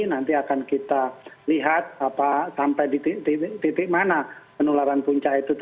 nanti akan kita lihat sampai di titik mana penularan puncak itu